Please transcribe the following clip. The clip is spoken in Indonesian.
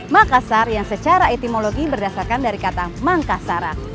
makassar yang secara etimologi berdasarkan dari kata makasara